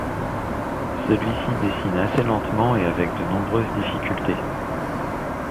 Celui-ci dessine assez lentement et avec de nombreuses difficultés.